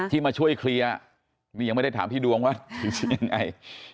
มาช่วยเคลียร์นี่ยังไม่ได้ถามพี่ดวงว่ายังไง